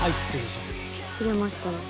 入れましたね。